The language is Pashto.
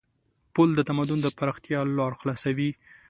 پُل د تمدن د پراختیا لار خلاصوي.